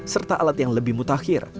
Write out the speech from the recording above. serta alat yang lebih mutakhir